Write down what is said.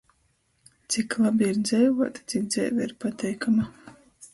Cik labi ir dzeivuot, cik dzeive ir pateikama!